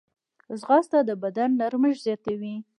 ځغاسته د بدن نرمښت زیاتوي